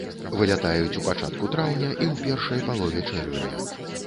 Вылятаюць у пачатку траўня і ў першай палове чэрвеня.